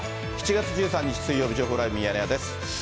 ７月１３日水曜日、情報ライブミヤネ屋です。